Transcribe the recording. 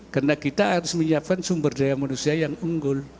karena kita harus menyiapkan sumber daya manusia yang unggul